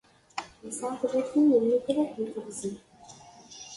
Yesɛa tlatin n lmitrat deg teɣzi.